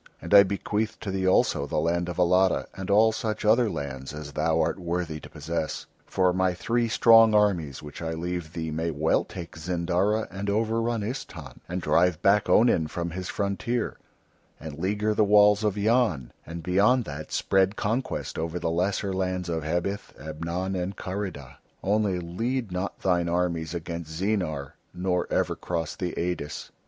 And I bequeath to thee also the land of Alatta, and all such other lands as thou art worthy to possess, for my three strong armies which I leave thee may well take Zindara and over run Istahn, and drive back Onin from his frontier, and leaguer the walls of Yan, and beyond that spread conquest over the lesser lands of Hebith, Ebnon, and Karida. Only lead not thine armies against Zeenar, nor ever cross the Eidis."